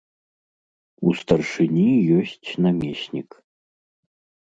У старшыні ёсць намеснік.